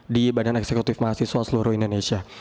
di badan eksekutif mahasiswa seluruh indonesia